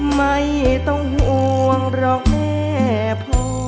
ไม่ต้องห่วงหรอกแม่พ่อ